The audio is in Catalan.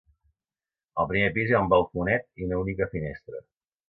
Al primer pis hi ha un balconet i una única finestra.